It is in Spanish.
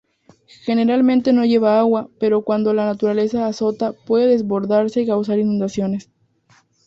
Generalmente no lleva agua pero cuando la naturaleza azota puede desbordarse y causar inundaciones.